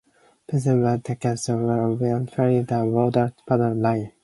Platinum status provides oneworld Sapphire status when flying a oneworld partner airline.